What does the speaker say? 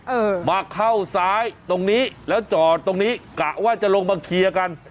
เออมาเข้าซ้ายตรงนี้แล้วจอดตรงนี้กะว่าจะลงมาเคลียร์กัน